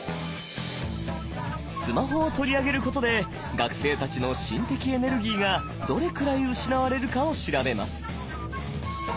スマホを取り上げることで学生たちの心的エネルギーがどれくらい失われるかを調べます。